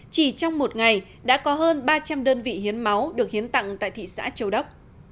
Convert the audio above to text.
chỉ trong một ngày đã có hơn ba trăm linh đơn vị hiến máu được hiến tặng tại thị xã châu đốc